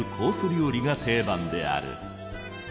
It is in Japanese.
料理が定番である。